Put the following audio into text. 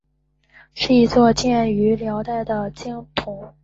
是一座建于辽代的经幢。